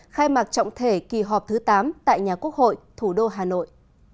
khai mạc trọng thể kỳ họp thứ tám tại nhà quốc hội thủ đô hà nội